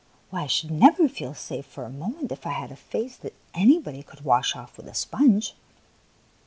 Why, I should never feel safe for a moment if I had a face that anybody could wash off with a sponge!"